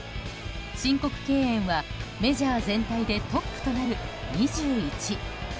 申告敬遠はメジャー全体でトップとなる２１。